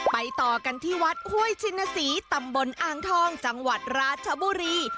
ต่อกันที่วัดห้วยชินศรีตำบลอ่างทองจังหวัดราชบุรี